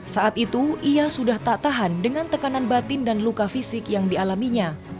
saat itu ia sudah tak tahan dengan tekanan batin dan luka fisik yang dialaminya